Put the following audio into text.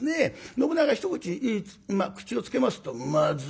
信長が一口まあ口をつけますと「まずい。